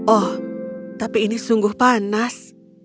oh tapi ini sungguh panas